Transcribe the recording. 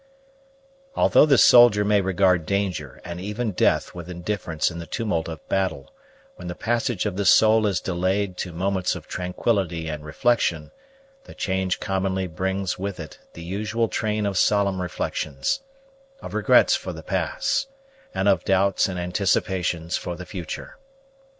Although the soldier may regard danger and even death with indifference in the tumult of battle, when the passage of the soul is delayed to moments of tranquillity and reflection the change commonly brings with it the usual train of solemn reflections; of regrets for the past, and of doubts and anticipations for the future.